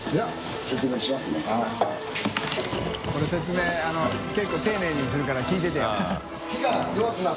海説明結構丁寧にするから聞いてて。